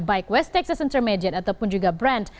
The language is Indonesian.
baik west texas intermediate ataupun juga brand